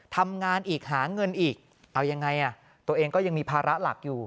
ทำงานอีกหาเงินอีกเอายังไงอ่ะตัวเองก็ยังมีภาระหลักอยู่